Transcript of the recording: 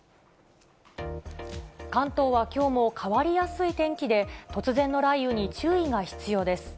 関東はきょうも変わりやすい天気で、突然の雷雨に注意が必要です。